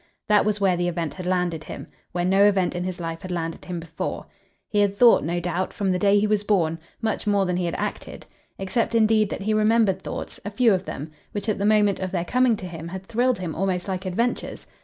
That was where the event had landed him where no event in his life had landed him before. He had thought, no doubt, from the day he was born, much more than he had acted; except indeed that he remembered thoughts a few of them which at the moment of their coming to him had thrilled him almost like adventures.